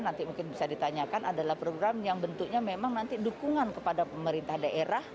nanti mungkin bisa ditanyakan adalah program yang bentuknya memang nanti dukungan kepada pemerintah daerah